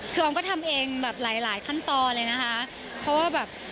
คือออมก็ทำเองแบบหลายหลายขั้นตอนเลยนะคะเพราะว่าแบบ